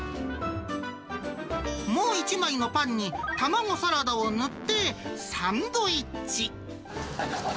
もう１枚のパンにタマゴサラダを塗ってサンドイッチ。